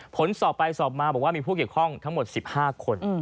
ผลสอบไปสอบมาบอกว่ามีผู้เกี่ยวข้องทั้งหมด๑๕คน